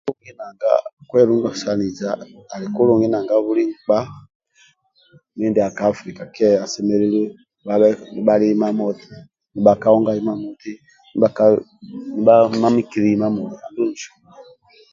Kwelungisanija ali kulungu nanga buli nkpa mindia ka Afulika kehe asemelelu bhabhe nibhali imamoti nibha kaongai imamoti nibha mamikili imamoti